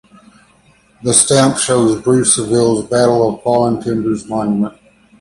The stamp shows Bruce Saville's Battle of Fallen Timbers Monument.